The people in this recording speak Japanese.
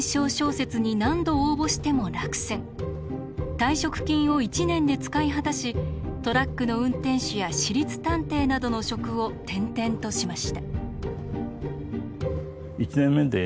退職金を１年で使い果たしトラックの運転手や私立探偵などの職を転々としました。